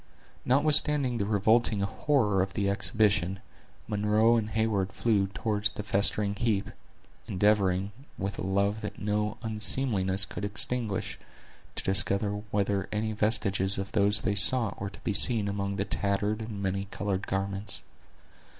Notwithstanding the revolting horror of the exhibition, Munro and Heyward flew toward the festering heap, endeavoring, with a love that no unseemliness could extinguish, to discover whether any vestiges of those they sought were to be seen among the tattered and many colored garments.